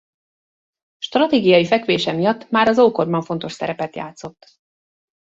Stratégiai fekvése miatt már az ókorban fontos szerepet játszott.